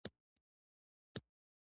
دا خپل تېر ژوند به څنګه وګڼي.